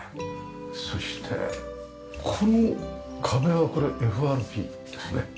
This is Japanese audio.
そしてこの壁はこれＦＲＰですね。